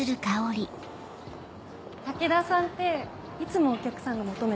武田さんっていつもお客さんが求め